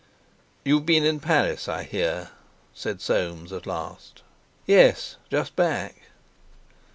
"You've been in Paris, I hear," said Soames at last. "Yes; just back."